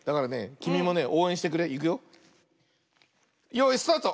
よいスタート！